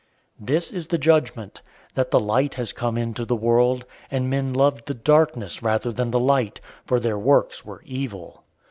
003:019 This is the judgment, that the light has come into the world, and men loved the darkness rather than the light; for their works were evil.